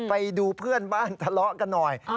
ไปดูเพื่อนบ้านทะเลาะกันหน่อย